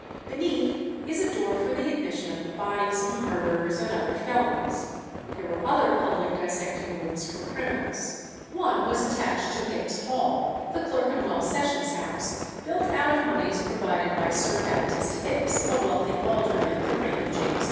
Beneath is a door for the admission of the bodies of murderers and other felons. There were other public dissecting rooms for criminals. One was attached to Hicks' Hall, the Clerkenwell Sessions House, built out of monies provided by Sir Baptist Hicks, a wealthy alderman of the reign of James I.